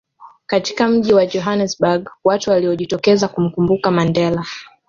katika Mji wa Johannesburg watu waliojitokeza kumkumbuka Mandela